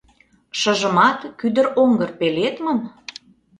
Шыжымат кӱдыроҥгыр пеледмым?..